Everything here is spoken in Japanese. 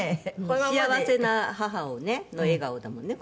幸せな母の笑顔だもんね